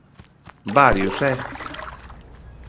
Varios, ¿eh?